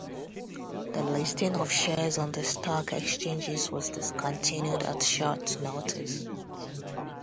The listing of shares on the stock exchanges was discontinued at short notice.